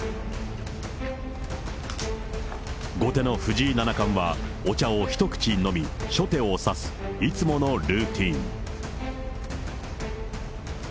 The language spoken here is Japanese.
後手の藤井七冠は、お茶を一口飲み初手を指す、いつものルーティン。